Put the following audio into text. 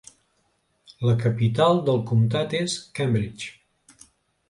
La capital del comtat és Cambridge.